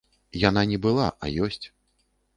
Яна не была, а ёсць.